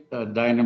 data data data data